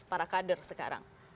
para kader sekarang